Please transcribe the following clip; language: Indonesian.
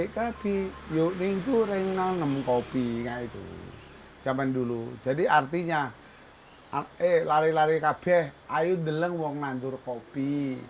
kepala kepala tanah kopi